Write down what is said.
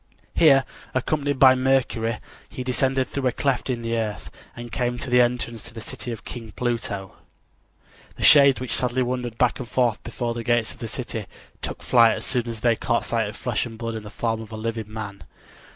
Here, accompanied by Mercury, he descended through a cleft in the earth, and came to the entrance of the city of King Pluto. The shades which sadly wandered back and forth before the gates of the city took flight as soon as they caught sight of flesh and blood in the form of a living man.